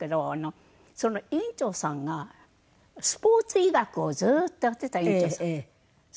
その医院長さんがスポーツ医学をずっとやっていた院長さん。